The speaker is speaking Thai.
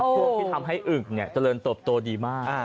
พวกที่ทำให้อึ่งเนี่ยเตริญโตบโตดีมาก